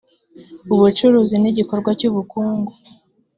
ubucuruzi nigikorwa cyubukungu.